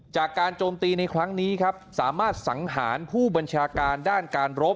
โจมตีในครั้งนี้ครับสามารถสังหารผู้บัญชาการด้านการรบ